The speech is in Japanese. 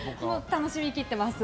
楽しみ切ってます。